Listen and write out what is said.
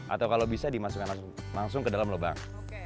atau kalau bisa dimasukkan langsung ke dalam lubang